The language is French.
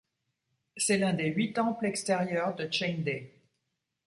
C'est l'un des Huit Temples Extérieurs de Chengde.